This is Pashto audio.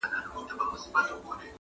که مي څوک په امیری شمېري امیر یم »!!